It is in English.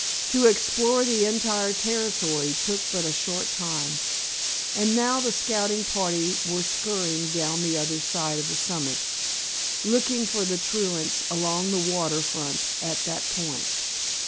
To explore the entire territory took but a short time, and now the scouting party were scurrying down the other side of the summit, looking for the truants along the water front at that point.